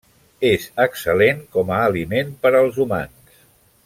És excel·lent com a aliment per als humans.